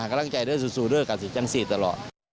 กำลังใจด้วยสูญด้วยกันสิจังสิทธิ์ตลอด